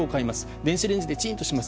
電子レンジでチンとします。